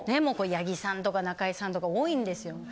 八木さんとか中井さんとか多いんですよ。